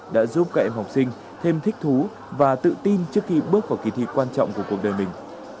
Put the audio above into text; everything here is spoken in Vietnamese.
đã giúp các em học sinh thêm thích thú và tự tin trước khi bước vào kỳ thi quan trọng của cuộc đời mình